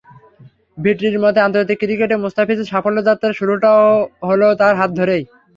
ভিটরির মতো আন্তর্জাতিক ক্রিকেটে মুস্তাফিজের সাফল্যযাত্রার শুরুটাও হলো তাঁর হাত ধরেই।